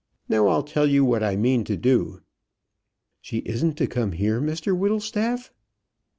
Now, I'll tell you what I mean to do." "She isn't to come here, Mr Whittlestaff?"